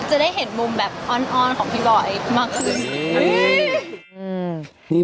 จะได้เห็นมุมแบบอ้อนของพี่บอยมากขึ้น